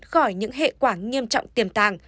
khỏi những hệ quả nghiêm trọng tiềm tàng